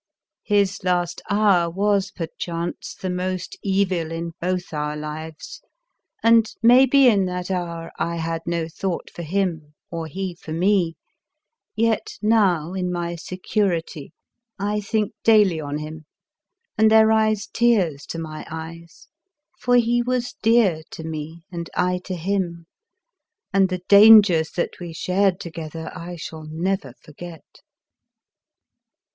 His last hour was perchance the most evil in both our lives, and maybe in that hour I had no thought for him or he for me ; yet now, in my security, I think daily on him, and there rise tears to my eyes, for he was dear to me and I to him, and the dangers that we shared together I shall never forget.